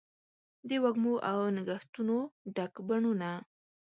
د وږمو او نګهتونو ډک بڼوڼه